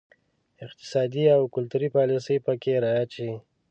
اقتصادي او کلتوري پالیسي پکې رعایت شي.